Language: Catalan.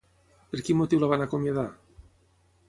Per quin motiu la van acomiadar?